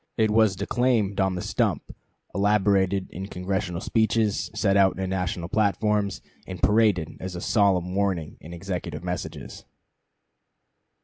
It was declaimed on the stump, elaborated in Congressional speeches, set out in national platforms, and paraded as a solemn warning in executive messages.